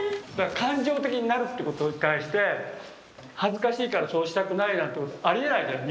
感情的になるってことに対して恥ずかしいからそうしたくないなんてありえないじゃん